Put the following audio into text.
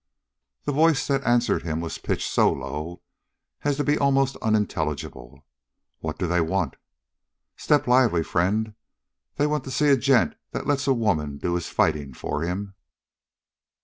The voice that answered him was pitched so low as to be almost unintelligible. "What do they want?" "Step lively, friend! They want to see a gent that lets a woman do his fighting for him."